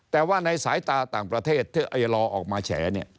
แต่ว่าในสายตาต่างประเทศที่ไอลอออกมาแฉเนี่ย